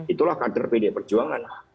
itulah kader pdi perjuangan